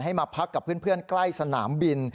มาพักกับเพื่อนใกล้สนามบิน